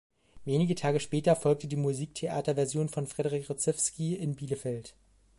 Wenige Tage später folgte die Musiktheater-Version von Frederic Rzewski in Bielefeld.